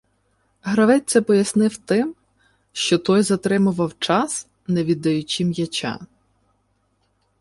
Гравець це пояснив тим, що той затримував час, не віддаючи м'яча.